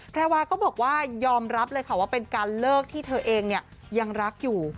แพรวาก็บอกว่ายอมรับเลยค่ะว่าเป็นการเลิกที่เธอเองยังรักอยู่